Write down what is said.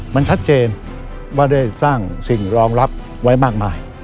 มันชัดเจนว่าได้สร้างสิ่งรองรับไว้มากมาย